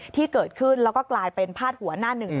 ที่เกิดขึ้นแล้วก็กลายเป็นพาดหัวหน้าหนึ่ง